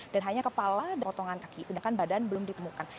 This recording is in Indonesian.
dan hanya kepala dan potongan kaki sedangkan badan belum ditemukan